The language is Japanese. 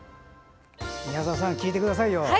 宮澤さん聞いてくださいよ。